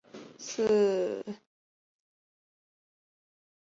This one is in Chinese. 北非古城沃吕比利斯就是以洋夹竹桃的旧拉丁文名而取名的。